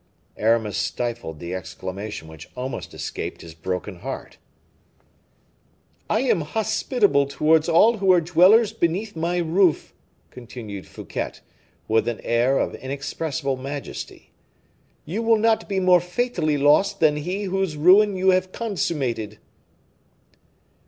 Aramis stifled the exclamation which almost escaped his broken heart. "I am hospitable towards all who are dwellers beneath my roof," continued Fouquet, with an air of inexpressible majesty; "you will not be more fatally lost than he whose ruin you have consummated."